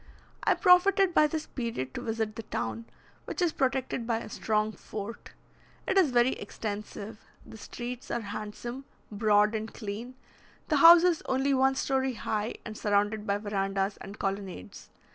I profited by this period to visit the town, which is protected by a strong fort. It is very extensive; the streets are handsome, broad, and clean; the houses only one story high, and surrounded by verandahs and colonnades.